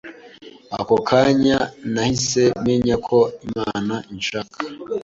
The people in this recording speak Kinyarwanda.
Ako kanya nahise menya yuko Imana inshaka.